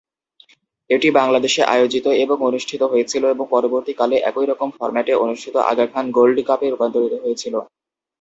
এটি বাংলাদেশে আয়োজিত এবং অনুষ্ঠিত হয়েছিল এবং পরবর্তী কালে একই রকম ফর্ম্যাটে অনুষ্ঠিত আগা খান গোল্ড কাপে রূপান্তরিত হয়েছিল।